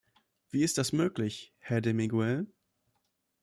Wie ist das möglich, Herr de Miguel?